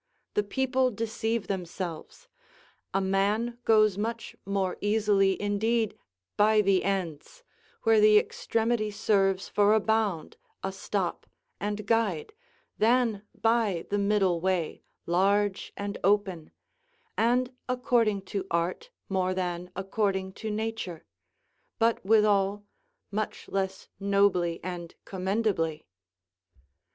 The people deceive themselves; a man goes much more easily indeed by the ends, where the extremity serves for a bound, a stop, and guide, than by the middle way, large and open; and according to art, more than according to nature: but withal much less nobly and commendably.